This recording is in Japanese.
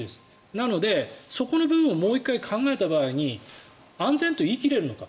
なのでそこの部分をもう１回考えた場合に安全と言い切れるのか。